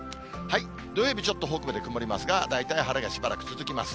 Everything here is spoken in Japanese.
土曜日、ちょっと北部で曇りますが、大体、晴れがしばらく続きます。